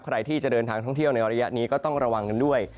ใครที่จะเดินทางท่องเที่ยวในระยะนี้ก็ต้องระวังกันด้วย